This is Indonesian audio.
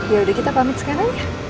ya udah kita pamit sekarang ya